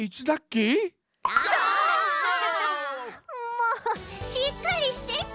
もうしっかりしてち！